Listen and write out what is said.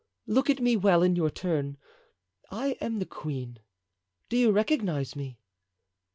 Look at me well in your turn. I am the queen; do you recognize me?"